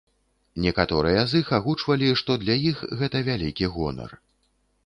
Некаторыя з іх агучвалі, што для іх гэта вялікі гонар.